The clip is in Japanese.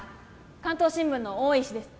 関東新聞の大石です